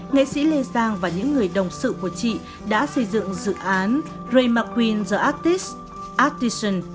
nghệ sĩ lê giang và những người đồng sự của chị đã xây dựng dự án ray mcqueen the artist artisan